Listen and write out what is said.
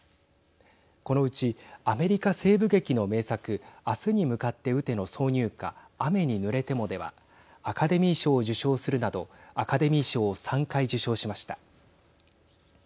このうち、アメリカ西部劇の名作明日に向って撃て！の挿入歌雨にぬれても、ではアカデミー賞を受賞するなどアカデミー賞を３回受賞しました。